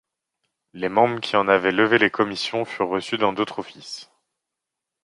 Les membres qui en avaient levé les commissions, furent reçu dans d'autres offices.